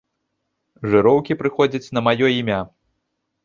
Жыроўкі прыходзяць на маё імя.